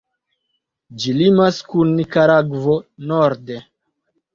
Ĝi limas kun Nikaragvo norde.